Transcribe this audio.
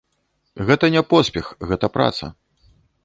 Гэта не поспех, гэта праца.